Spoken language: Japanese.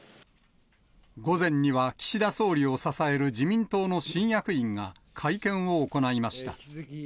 午前には、岸田総理を支える自民党の新役員が会見を行いました。